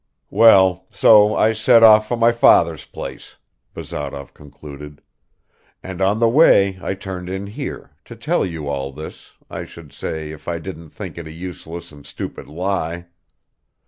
Well, so I set off for my father's place," Bazarov concluded, "and on the way I turned in here ... to tell you all this, I should say, if I didn't think it a useless and stupid lie.